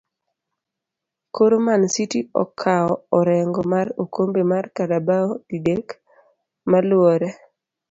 koro Mancity okao orengo mar okombe mar Carabao didek maluree